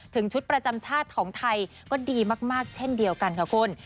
ชุดประจำชาติของไทยก็ดีมากเช่นเดียวกันค่ะคุณ